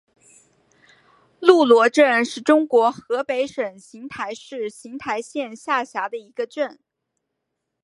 路罗镇是中国河北省邢台市邢台县下辖的一个镇。